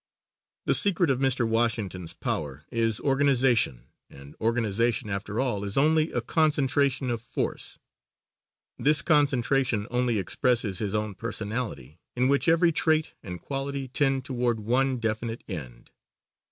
The secret of Mr. Washington's power is organization, and organization after all is only a concentration of force. This concentration only expresses his own personality, in which every trait and quality tend toward one definite end.